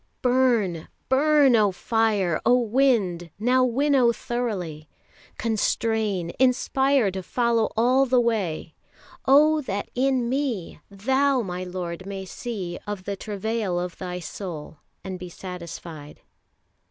Burn, burn, O Fire, O Wind, now winnow throughly! Constrain, inspire to follow all the way! Oh that in me Thou, my Lord, may see Of the travail of Thy soul, And be satisfied.